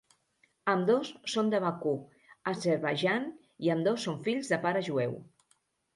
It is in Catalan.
Ambdós són de Bakú, Azerbaidjan i ambdós són fills de pare jueu.